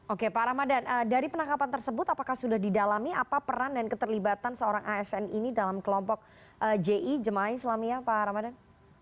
oke pak ramadan dari penangkapan tersebut apakah sudah didalami apa peran dan keterlibatan seorang asn ini dalam kelompok ji jemaah islamiyah pak ramadan